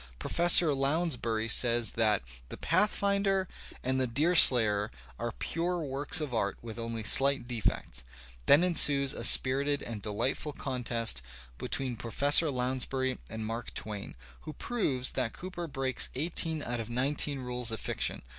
Professor Lounsbury says that "The Pathfinder" and "The Deerslayer" are pure works of art with only slight defects. Then ensues a spirited and delightful contest between Professor Lounsbury and Mark Twain, who proves that Cooper breaks eighteen out of nine teen rules of fiction.